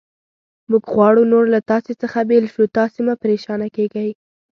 موږ غواړو نور له تاسې څخه بېل شو، تاسې مه پرېشانه کېږئ.